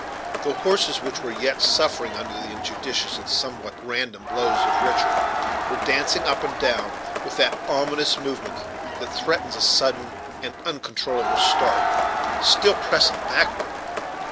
The horses, which were yet suffering under the injudicious and somewhat random blows of Richard, were dancing up and down with that ominous movement that threatens a sudden and uncontrollable start, still pressing backward.